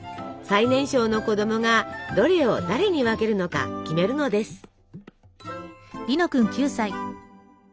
最年少の子供がどれを誰に分けるのか決めるのです。